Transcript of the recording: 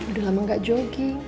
udah lama gak jogging